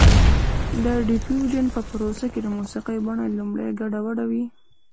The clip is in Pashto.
د ډیفیوژن په پروسه کې د موسیقۍ بڼه لومړی ګډه وډه وي